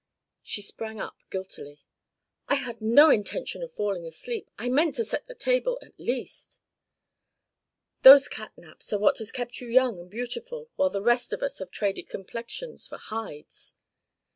She sprang up guiltily. "I had no intention of falling asleep I meant to set the table at least " "Those cat naps are what has kept you young and beautiful, while the rest of us have traded complexions for hides."